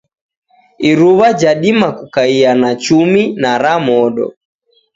Iruwa jadima kukaia na chumi na ra modo.